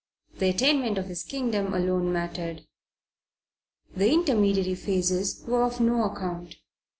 The attainment of his kingdom alone mattered. The intermediary phases were of no account.